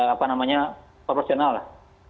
apa namanya proporsional lah